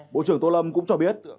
bộ trưởng tô lâm cũng cho biết